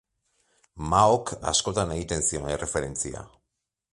Maok askotan egiten zion erreferentzia.